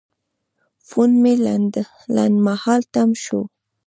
فون مې لنډمهاله تم شو.